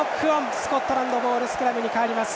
スコットランドボールのスクラムに変わります。